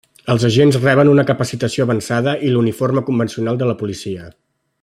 Els agents reben una capacitació avançada i l'uniforme convencional de la policia.